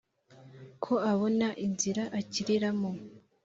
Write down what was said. ko abona inzira akiriramo